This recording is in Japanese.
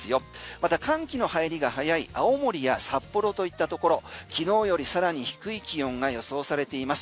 また寒気の入りが早い青森や札幌といったところ昨日よりさらに低い気温が予想されています。